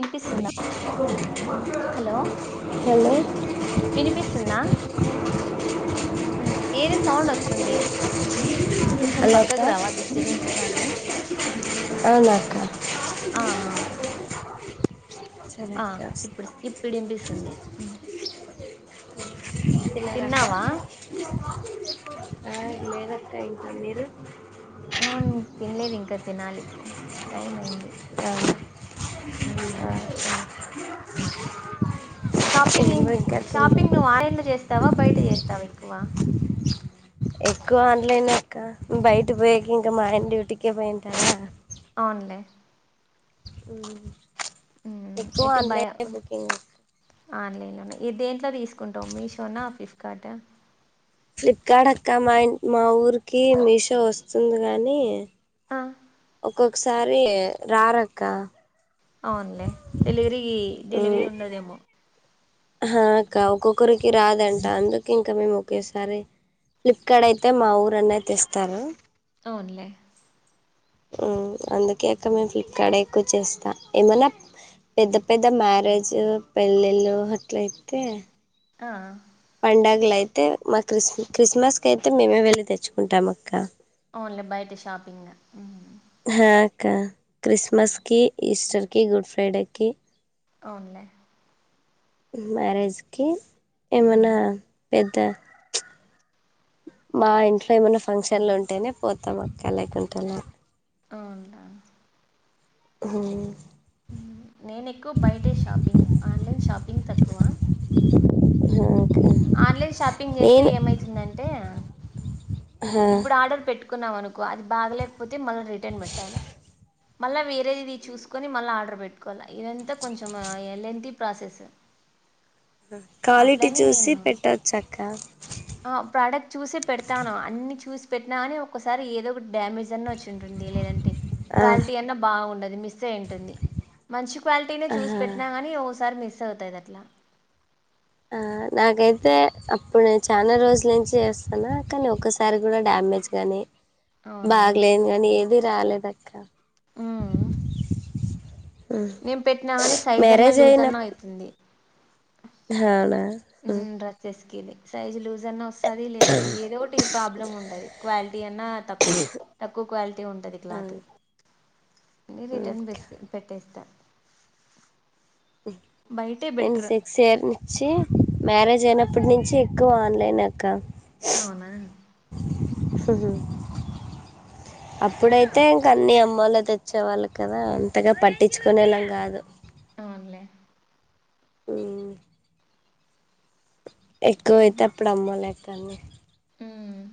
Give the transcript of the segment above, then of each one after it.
వినిపిస్తుందా హలో ఉమ్ ఏరే సౌండ్ ఒస్సుంది. కొంచం హలో అక్క పక్కక్ రావా డిస్టబెన్స్గా అన్ని అవున అక్క ఆ ఆ సరే అక్క ఇప్పుడు వస్తా ఇప్పుడు వినిపిస్తుంది తిన్నారా తిన్నావా అక్క ఆ లేదక్క ఇంకా మీరు మ్మ్ తినలేదు ఇంకా తినాలి టైం అయింది ఆ మ్ అవు దా షాపింగ్ ఏమ్ షాపింగ్ నువ్వు ఆన్లైన్ చేస్తావా బయట చేస్తావా ఎక్కువ ఎక్కువ ఆన్లైన్ అక్క బయటి పోయకి ఇంకా మా ఆయన డ్యూటీకే పోయింటారా అవునులే ఉను మ్ ఎక్కువ ఆన్లైన్ ఏ బుకింగ్ ఆన్ లైన్ లోనే ఏ దేంట్లో తీస్కుంటావ్ మీషోనా, ఫ్లిఫ్కార్టా ఫ్లిప్కాడ్ అక్క మా ఇంట్ మా ఊరికి మీషో వస్తుంది గానీ ఆ ఒక్కొకసారి రారక్క అవునులే డెలివరీ డెలివరీ ఉండదేమో హా అక్క ఒక్కొక్కరికి రాదంట అందుకింకా మేము ఒకేసారి ఫ్లిప్కార్డ్ అయితే మా ఊరు అన్నయ్య తెస్తారు అవున్లే మ్మ్ అందుకే అక్కా మేము ఫ్లిప్కార్డ్ ఎక్కువ చేస్తా ఏమన్నా పెద్ద పెద్ద మ్యారేజు పెళ్ళిళ్ళు అట్లాయితే ఆ పండగ్లయితే మా క్రిస్ క్రిస్మస్ కు అయితే మేమే వెళ్ళి తెచ్చుకుంటాం అక్క అవునులేబయట షాపింగ్ మ్మ్ హ క్కా క్రిస్మస్ కి ఈస్టర్ కి గుడ్ ఫ్రైడేకిి అవునులే మ్యారేజ్ కి ఏమన్నా పెద్దా మా ఇంట్లో ఏమన్నా ఫంక్షన్లు ఉంటేనే పోతాం అక్క లేకుంటే లా అవును లా హవును నేను ఎక్కువ బయటే షాపింగ్ ఆన్లైన్ షాపింగ్ తక్కువ హా ఆన్ లైన్ షాపింగ్ చేస్తే ఏమైతుందంటే ఆ ఇప్పుడు ఆర్డర్ పెట్టుకు పెట్టుకున్నాం అనుకో అది బాగలేకపోతే మళ్ళా రిటర్న్ పెట్టాల మళ్ళా వేరేది చూసుకొని మళ్ళీ ఆర్డర్ పెట్టుకోల్లా ఇదంతా కొంచెం లెంతీ ప్రాసెస్ క్వాలిటీ అట్లని చూసి నేను పెట్టాచ్చు అక్క ఆ ప్రోడక్ట్ చూసి పెడతాను అన్ని చూసి పెట్టినా కాని ఒకసారి ఏదో ఒక డ్యామేజ్ అన్న వచ్చు ఉంటుంది లేదంటే ఆ క్వాలిటీ అన్నా బాగుండదు మిస్ అయ్యి ఉంటుంది మంచి క్వాలిటీనే చూసి ఆహా పెట్టినా గానీ ఓసారి మిస్ అవుతాది అట్లా ఆ నాకైతే అప్పుడు నేను చాలా రోజుల నుంచి చేస్తాన్న కానీ ఒసారి కూడా డ్యామేజ్ గాని అవునా బాగలేదు కానీ ఏది రాలేద అక్క ఉనా [inaudible] నిను పెట్టినా గాని సైజ్ అన్నా మ్యారేజ్ లూజ్ అన్నా అయితుంది చానా ఉమ్ డ్రెస్సెస్ కెళ్ళి సైజ్ లూజ్ అన్నా వస్తాది, లేదంటే ఏదో ఒకటి ప్రాబ్లం ఉంటది. క్వాలిటీ అన్నా త తక్కువ క్వాలిటీ ఉంటది క్లాత్ రిటర్న్ బెస్ట్ పెట్టేస్తా బయటే ఎం బెటర్ సట్ సేర్ ఇచ్చి మ్యారేజ్ అయినప్పటి నుంచి ఎక్కువ ఆన్లైనే అక్క అవునా సుజు అప్పుడైతే ఇంక అన్నీ అమ్మోల్ లేతెచ్చేవాళ్ళు కదా అంతగా పట్టించుకునేలాం కాదు. అవునులేే ఉమ్ ఎక్కువైతే అప్పుడు అమ్మలెక్కన్ని ఉమ్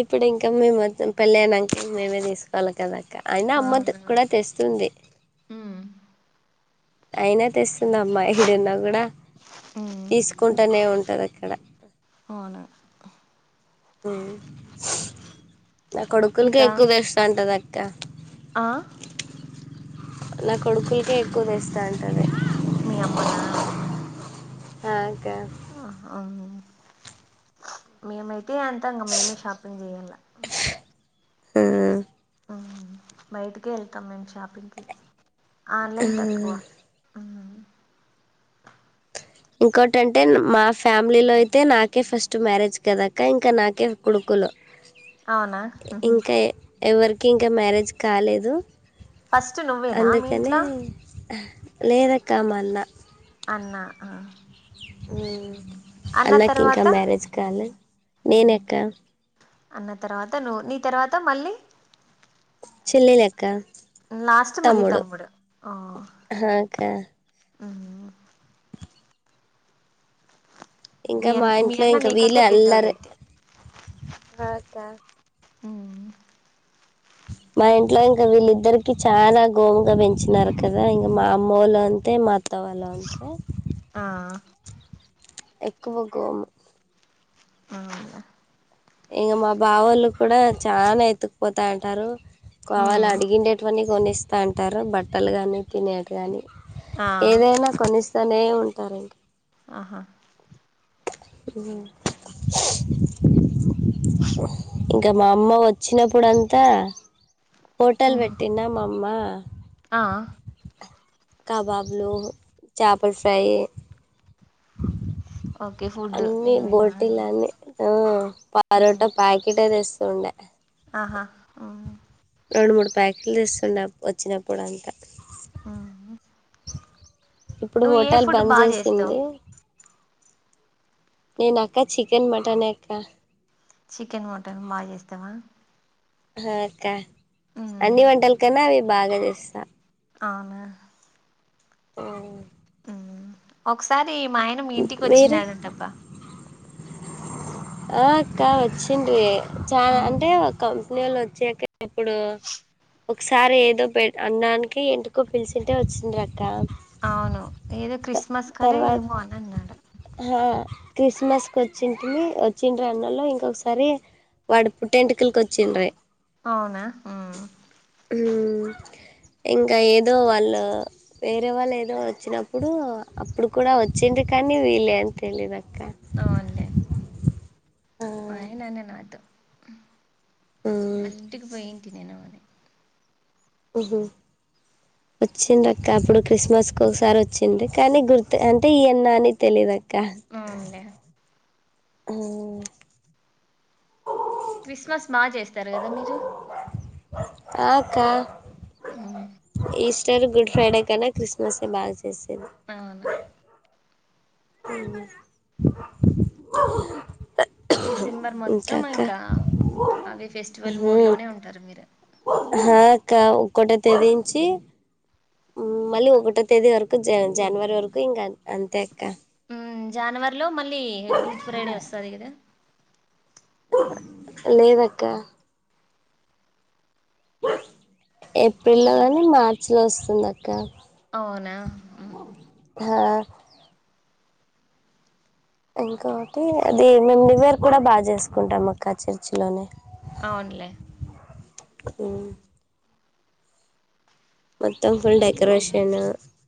ఇప్పుడు ఇంకా మేం మెత్తం పెళ్ళయినంక మేమే తీసుకోవాలి కదా కా అయినా అమ్మతో కూడ అవునవును తెస్తుంది. ఉమ్ అయినా అలా తెస్తుంది అమ్మా, ఈడున్నా గుడ తీసుకుంటనే ఉంటది అక్కడ అవునా నా కొడుకులకే ఇంకా ఎక్కువ తెస్తా ఉంటది అక్క ఆ నా కొడుకులకే ఎక్కువ తెస్త ఉంటాది. మీ అమ్మనా? ఆ అక్కా మేమైతే అంత ఇంగ మేమే షాపింగ్ చేయాల ఉమ్ బయటికే ఎళ్తాం మేము షాపింగ్కి, ఆన్లైన్ తక్కువ ఉమ్ ఇంకోటంటే మా ఫ్యామిలీలో అయితే నాకే ఫస్ట్ మ్యారేజ్ కదా అక్క ఇంకా నాకే కొడుకులు, అవునా ఉహు ఇంకా ఎవరికి ఇంకా మ్యారేజ్ కాలేదు. ఫస్ట్ నువ్వేనా మీ అందుకని ఇంట్లో లేదక్క మల్ల అన్నా ఉమ్ అన్నకి ఇంకా తర్వాత మ్యారేజ్ కాలే నేనెక్క అన్న తర్వాత నువ్వు, నీ తర్వాత మళ్ళీ చెల్లెలి అక్క లాస్ట్ మళ్లి తమ్ముడు ఓ హా అక్క ఉహు ఇంకా మీ మా అన్ మీ ఇంట్లో అన్న ఇంకా వెళ్ళే నీకంటే అల్లరి, పెద్దోడైతే అక్క ఉమ్ మా ఇంట్లో ఇంకా వీళ్ళిద్దరికి చానా గోముగా పెంచినారు కదా, ఇంక మా అమ్మ వాళ్లు అం తే మా అత్త వాళ్ళ కూడ ఆ ఎక్కువగా అవును ఇంగ మా బావోళ్ళు కూడా చాలా ఎత్తుకుపోతాంటారు. కావాల ఉమ్ అడిగిండేటివన్నీ కొనీస్తాంటారు, బట్టలు గాని తినేట్ గాని ఆ ఏదైనా కొనిస్తనే ఉంటారండి. అహ అ ఇంకా మా అమ్మ వచ్చినప్పుడంతా హోటల్ ఉహు పెట్టినా మా అమ్మ ఆ కబాబులు చేపల ఫ్రై ఓకే ఫుడ్ అన్నీ ఏమైనా బోటిలనే ఓ ఉమ్ పరోటా ప్యాకెట్ ఏ తెస్తుండే ఆహా ఉమ్ రెండు మూడు ప్యాకెలు తెస్తుండా వచ్చినప్పుడు అంతా ఉ ఇప్పుడు నువ్వు ఏ హోటల్ ఫుడ్ బంద్ బాగా చేస్తావు చేసింది నేను అక్క చికెన్ మటన్ ఎక్క చికెన్ మటన్ బాగా చేస్తావా హా క్క ఉమ్ అన్ని వంటలకన్నా అవి బాగా చేస్తా అవున ఆ ఉమ్ ఒకసారి మా ఆయన మీ ఇంటికి మీరు వచ్చినడంటబ్బ ఆ అక్క వచ్చిండు ఏ చాలా ఉమ్ అంటే కంపెనీ వాళ్ళ వచ్చాక ఇప్పుడు ఒకసారి ఏదో పె అన్నానికి ఎంటికో పిలిచింటే వచ్చిండ్రక్క అవును ఏదో క్రిస్మస్ కనే ఏమో అని అన్నాడు ఆహా క్రిస్మస్ వచ్చింటిరీ వచ్చిండ్రన్నలో ఇంకొకసారి వాడు పుట్టెంటికలకి వచ్చిండ్ర అవునా ఊ ఊ ఇంకా ఏదో వాళ్ళు వేరే వాళ్ళు ఏదో వచ్చినప్పుడు అప్పుడు కూడా వచ్చింది కానీ వీళే అని తెలియదక్క అవునులే మా ఆయనాన్న నాతో అంటికి ఆల్ ఇంటి పోయింటి నేను అని ఓహో వచ్చిండక్క అప్పుడు క్రిస్మస్కి ఒకసారి వచ్చిండ్రు కానీ గుర్తు అంటే ఈయన్నా అని తెలిదుక్క అవునులే క్రిస్మస్ బాగా చేస్తారు కదా మీరు ఆకా ఊ ఈస్టర్ గుడ్ ఫ్రైడే కన్నా క్రిస్మస్ ఏ బాగా చేసేది అవును ఊహు ఈ డిసెంబర్ మొత్తం ఇంకా అవి ఫెస్టివల్ మూడులోనే ఉంటారు మీరు హ అక్క ఒక్కట తెది నుంచి ఊ మళ్ళీ ఒకటో తేదీ వరకు జ జనవరి వరకు ఇంకా అంతే అక్క ఊ జనవరిలో మళ్ళీ గుడ్ ఫ్రైడే వస్తది కదా లేదకా ఏప్రిల్ లో కానీ మార్చి లో వస్తుంది అక్క అవునా హా ఇంకోటి అది మేము నివేరు కూడా బాగా చేసుకుంటాం అక్క చర్చి లోనే అవునులే అ మొత్తం ఫుల్ డెకరేషన్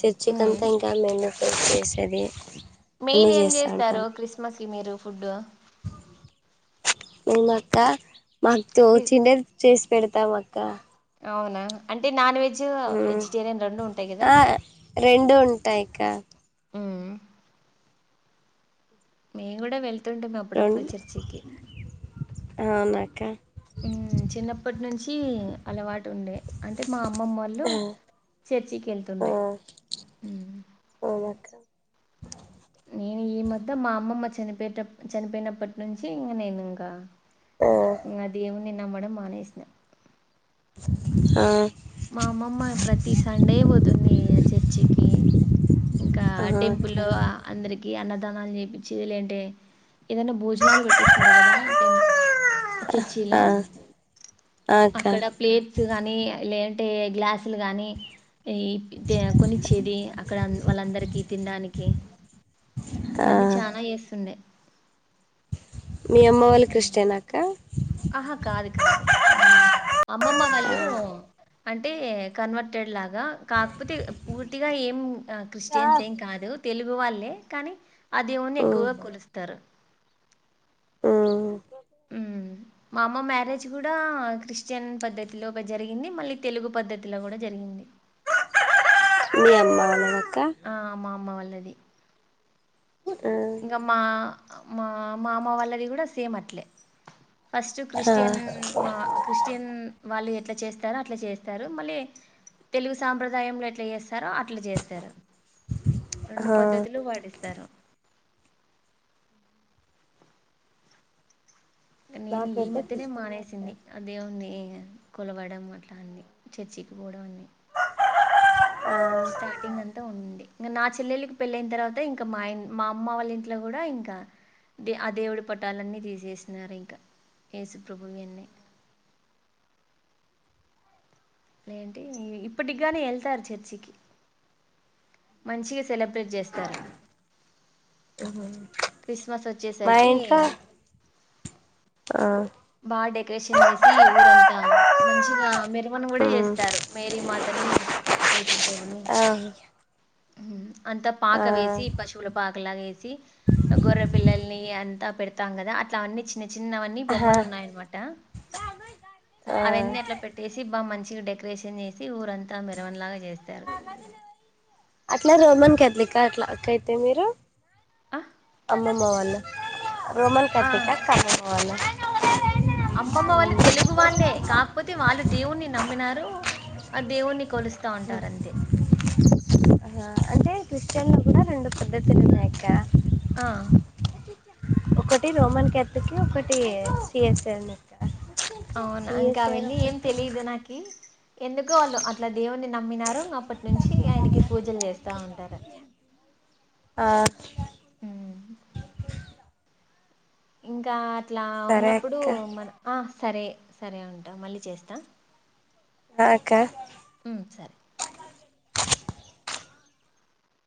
చర్చి కంతా ఇంకా మెన చేసేది మెయిన్ అన్నీ ఏం చేస్తా చేస్తారు క్రిస్మస్ కి మీరు ఫుడ్డు మేమా అక్క మాకు తోచిందే చేసి పెడతాం అక్క అవునా అంటే నాన్ వెజ్ వెజిటేరియన్ రెండు ఉంటాయి కదా ఆ రెండు ఉంటాయిక్క అ మేము కూడా వెళ్తుంటిమి అప్పుడప్పుడు చర్చికి అవునక చిన్నప్పటి నుంచి అలవాటు ఉండే అంటే మా అమ్మమ్మ వాళ్ల ఆ చర్చికి వెళ్తుండే అవునకా నేను ఈ మద్ద మా అమ్మమ్మ చనిపోయిట చనిపోయినప్పటి నుంచి ఇంకా నేను ఇంకా అదేవుని నమ్మడం మానేసినా ఆ మా అమ్మమ్మ ప్రతి సండే పోతుంది చర్చికి ఇంకా ఆ అక్క టెంపుల్లో అందరికి అన్నదానాలు చేపిచి లేంటే ఏదైనా భోజనాలు పెట్టిస్తారు కదా అంటే చర్చిలో ఆ ఆ అక్క అక్కడ ప్లేట్స్ గానీ లేంటే గ్లాసులు గాని ఈ కొనిచ్చేది అక్కడ వాళ్ళందరికీ తినడానికి ఆ అట్లన్నీ చాలా చేస్తుండే మీ అమ్మ వాళ్ళ ఉమ్. క్రిస్టియనాక్క ఆహా కాదు కాదు అ అమ్మమ్మ వాళ్ళు ఆ అంటే కన్వర్టెడ్ లాగా కాకపోతే పూర్తిగా ఏం క్రిస్టియన్స్ ఏం కాదు తెలుగు వాళ్ళే కానీ అ దేవుని మ్మ్ ఎక్కువగా కొలుస్తారు ఆ ఉ మా అమ్మ మ్యారేజ్ కూడా క్రిస్టియన్ పద్ధతిలో జరిగింది మళ్ళీ తెలుగు పద్ధతిలో కూడా జరిగింది మీ అమ్మ వాళ్ళ దక్క ఆ మ అమ్మ వాళ్ళది ఆ ఇంకా మా మా మామ వాళ్ళది కూడా సేమ్ అట్లే ఫస్ట్ ఆ క్రిస్టియన్ క్రిస్టియన్ వాళ్ళు ఎట్లా చేస్తారో అట్లా చేస్తారు మళ్ళీ తెలుగు సాంప్రదాయంలో ఎట్లా చేస్తారో అట్లా చేస్తారు రెండు ఆ పద్ధతులు పాటిస్తారు నేను ఈ మాకైతే మధ్యనే క్రిస్టియన్ మానేసింది అక్క దేవున్ని కొలవడం అట్లా అన్ని చర్చికి పోవడం అన్ని స్టార్టింగ్ అంతా ఉంది ఇంకా నా చెల్లెళకి పెళ్ళైన తర్వాత ఇంకా మాన్ మా అమ్మ వాళ్ళ ఇంట్లో కూడా ఇంకా దే ఆ దేవుడి పటాలన్నీ తీసేసినారు ఇంకా ఏసుప్రభు వి అన్ని లేంటి ఇప్పటిగానీ వెళ్తారు చర్చికి మంచిగా సెలబ్రేట్ చేస్తారు అ క్రిస్మస్ వచ్చేసరికి ఆ బాగా డెకరేషన్ చేసి ఊరంతా మంచిగా మెరవన కూడా మ్మ్ చేస్తారు మేరీ మాతని ఏసుప్రభుని ఆ ఉం అంతా పాక ఆ వేసి పస్ పశువులపాకలాగా వేసి గొర్ర పిల్లల్ని అంతా పెడతాం కదా అట్లా అన్ని చిన్ చిన్న చిన్నవి అన్ని ఆహా బొమ్మలు ఉన్నాయన్నమాట ఆ అవన్నీ అట్లా పెట్ పెట్టేసి బా మంచిగా డెకొరేషన్ చేసి ఊరంతా మెరవన లాగా చేస్తారు అట్లా రోమన్ కథలిక్ అట్లాక్కైతే మీరు ఆ అమ్మమ వాళ రోమన్ ఆ కథకా అమ్మమవళ [unintelligible] అమ్మమ్మ వాళ్ళు తెలుగు వాళ్ళే కాకపోతే వాళ్ళు దేవునీ నమ్మినారు ఆ దేవుని కొలిస్త ఉం ఆ అంటే క్రిస్టియన్ లో కూడా రెండు పద్దతిలు ఉన్నాయి అక్క [unintelligible] ఆ ఒకటి రోమన్ కథలిక్ ఒకటి సిఎస్ఐ ఉంది అవునా ఇంకా సిఎస్ఐ అవన్నీ ఏం ఒకటి తెలీదు నాకి ఎందుకో వాళ్ళు అట్లా దేవుణ్ణి నమ్మినారు ఇంకా అప్పటి నుంచి ఆయనకి పూజలు చేస్తా ఉంటారు ఆ మ్మ్ ఇంకా అట్లా సరే ఉన్నప్పుడు అక్క మన ఆ సరే సరే ఉంటా మళ్ళీ చేస్తా అ అక్క ఉం సరే